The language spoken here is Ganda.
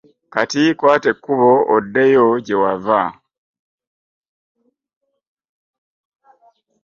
Kati kwata ekkubo oddeyo gye wava.